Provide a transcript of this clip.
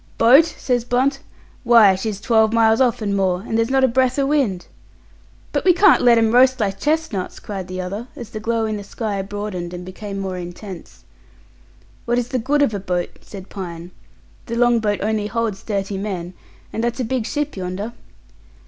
"Boat!" said Blunt, "why, she's twelve miles off and more, and there's not a breath o' wind!" "But we can't let 'em roast like chestnuts!" cried the other, as the glow in the sky broadened and became more intense. "What is the good of a boat?" said Pine. "The long boat only holds thirty men, and that's a big ship yonder."